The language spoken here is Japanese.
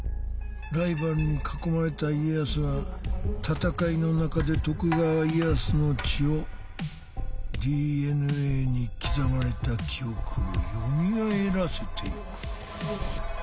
ライバルに囲まれた家康は戦いの中で徳川家康の血をＤＮＡに刻まれた記憶を蘇らせて行く。